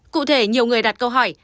cụ thể nhiều người đặt câu hỏi